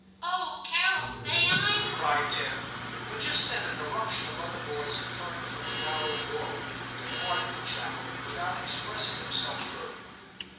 * Oh, Carol, may I ?' cried Tim ; but just then an eruption of other boys occurring from the narrow doorway, he departed to chapel without expressing himself further.